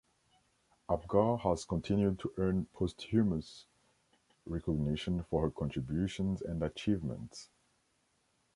Apgar has continued to earn posthumous recognition for her contributions and achievements.